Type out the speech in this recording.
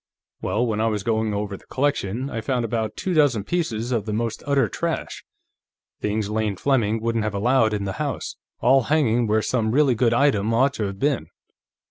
Well, when I was going over the collection, I found about two dozen pieces of the most utter trash, things Lane Fleming wouldn't have allowed in the house, all hanging where some really good item ought to have been."